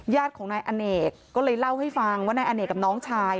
ญาติของนายอเนกก็เลยเล่าให้ฟังว่านายอเนกกับน้องชาย